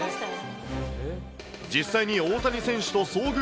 実際に大谷選手と遭遇。